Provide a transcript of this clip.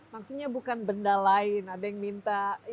maksudnya bukan benda lain ada yang minta